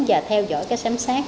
và theo dõi các xám xác